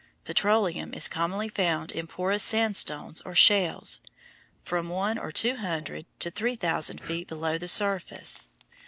Petroleum is commonly found in porous sandstones or shales, from one or two hundred to three thousand feet below the surface.